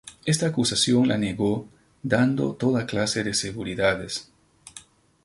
Esta acusación la negó dando toda clase de seguridades".